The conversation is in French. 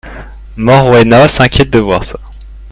Morwenna s’inquiète de voir ça.